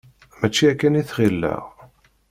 Mačči akken i t-ɣilleɣ.